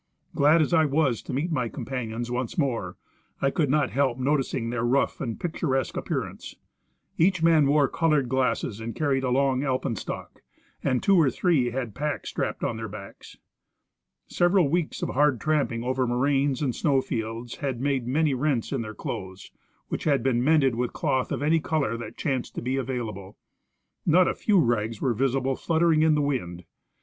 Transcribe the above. Glad as I was to meet my com panions once more, I could not help noticing their rough and picturesque appearance. Each man wore colored glasses and carried a long alpenstock, and two or three had packs strapped on their backs. Several weeks of hard tramping over moraines and snow fields had made many rents in their clothes, which had been mended with cloth of any color that chanced to be available. Not a few rags were visible fluttering in the wind.